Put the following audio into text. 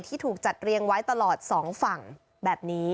ที่ถูกจัดเรียงไว้ตลอดสองฝั่งแบบนี้